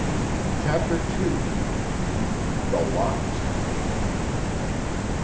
CHAPTER II. THE LOCKS.